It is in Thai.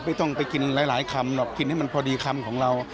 ไม่ต้องไปกินหลายคำหรอกกินให้มันพอดีคำของเรา